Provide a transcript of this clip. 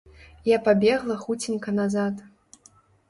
Я пабегла хуценька назад.